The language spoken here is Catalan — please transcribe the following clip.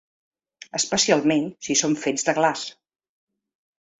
Especialment si són fets de glaç.